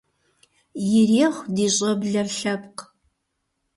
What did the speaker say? Ирехъу ди щӀэблэр лъэпкъ!